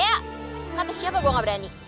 ya kata siapa gue gak berani